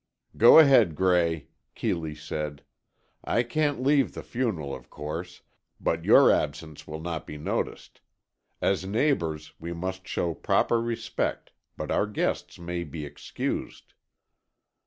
"Go ahead, Gray," Keeley said. "I can't leave the funeral, of course, but your absence will not be noticed. As neighbours, we must show proper respect, but our guests may be excused."